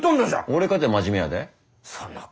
俺かて真面目やで。